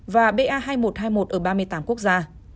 và ba hai nghìn một trăm hai mươi một ở ba mươi tám quốc gia